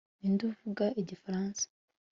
Ninde uvuga igifaransa